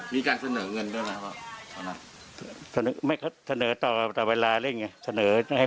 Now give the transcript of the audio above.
มีการเสนอเงินด้วยนะเขานะเสนอไม่เขาเสนอต่อต่อเวลาอะไรอย่างเงี้ย